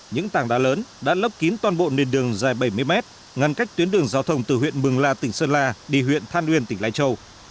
những tàng đá lớn đã lấp kín toàn bộ nền đường dài bảy mươi mét ngăn cách tuyến đường giao thông từ huyện mường la tỉnh sơn la đi huyện than uyên tỉnh lai châu